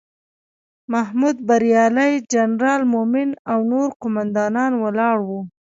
محمود بریالی، جنرال مومن او نور قوماندان ولاړ وو.